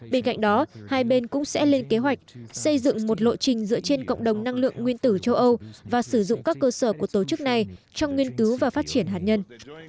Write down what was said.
bên cạnh đó hai bên cũng sẽ lên kế hoạch xây dựng một lộ trình dựa trên cộng đồng năng lượng nguyên tử châu âu và sử dụng các cơ sở của tổ chức này trong nghiên cứu và phát triển hạt nhân